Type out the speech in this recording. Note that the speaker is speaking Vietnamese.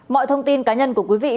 mọi thông tin cá nhân của quý vị